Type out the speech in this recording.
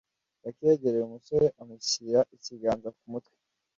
lucy yegereye umusore amushyira ikiganza ku mutwe